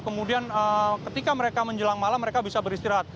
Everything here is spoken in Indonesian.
kemudian ketika mereka menjelang malam mereka bisa beristirahat